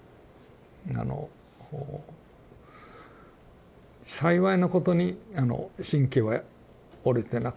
あの幸いなことにあの神経は折れてなくって背中骨折。